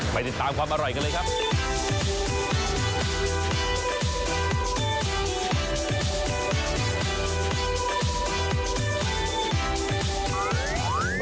ไปติดตามความอร่อยกันเลยครับ